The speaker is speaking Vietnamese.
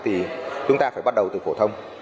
thì chúng ta phải bắt đầu từ phổ thông